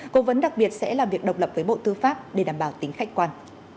cố vấn đặc biệt sẽ làm việc độc lập với bộ tư pháp để đảm bảo tính khách quan